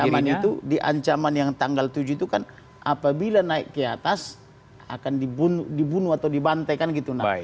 ancaman itu di ancaman yang tanggal tujuh itu kan apabila naik ke atas akan dibunuh atau dibantai kan gitu